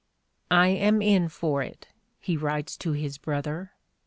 "I am in for it," he writes to his brother.